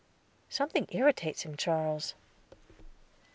"Something irritates him, Charles."